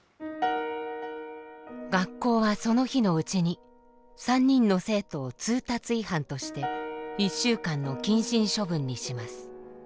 学校はその日のうちに３人の生徒を通達違反として１週間の謹慎処分にします。